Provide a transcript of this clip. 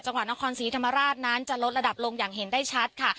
วัดนครศรีธรรมราชนั้นจะลดระดับลงอย่างเห็นได้ชัดค่ะ